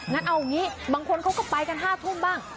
งั้นเอาอย่างนี้บางคนเขาก็ไปกัน๕ทุ่มบ้าง